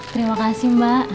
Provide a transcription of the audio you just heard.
terima kasih mbak